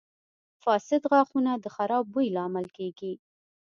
• فاسد غاښونه د خراب بوی لامل کیږي.